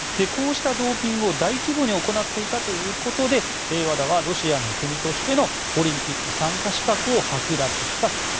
こうしたドーピングを大規模に行っていたということでＷＡＤＡはロシアの国としてのオリンピック参加資格をはく奪したと。